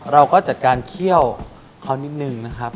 เราก็จัดการเคี่ยวเขานิดนึงนะครับ